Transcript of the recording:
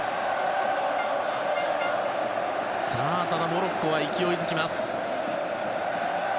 ただ、モロッコは勢いづきます。